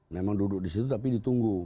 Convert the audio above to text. memang duduk disitu tapi ditunggu